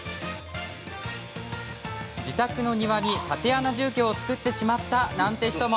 自宅の庭に竪穴住居を作ってしまったなんて人も。